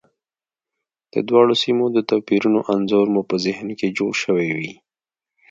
د دواړو سیمو د توپیرونو انځور مو په ذهن کې جوړ شوی وي.